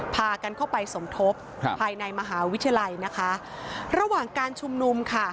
พากันเข้าไปสมทบครับภายในมหาวิทยาลัยนะคะระหว่างการชุมนุมค่ะ